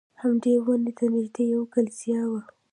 همدې ونې ته نږدې یوه کلیسا وه.